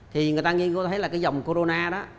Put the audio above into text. thì người ta nghe thấy là cái dòng corona đó